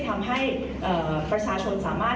การสอบส่วนแล้วนะ